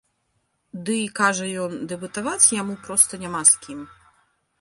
Дый, кажа ён, дэбатаваць яму проста няма з кім.